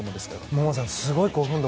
萌々さん、すごい興奮度。